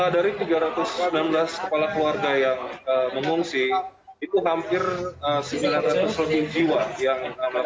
dari tiga ratus enam belas kepala keluarga yang mengungsi itu hampir sembilan ratus lebih jiwa yang